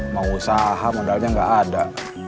mau usaha modalnya nggak ada